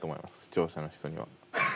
視聴者の人には。